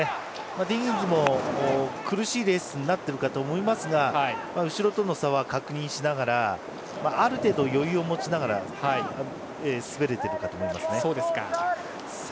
ディギンズも苦しいレースになってるかと思いますが後ろとの差は確認しながらある程度余裕を持ちながら滑れているかと思います。